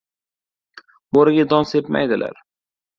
• Bo‘riga don sepmaydilar.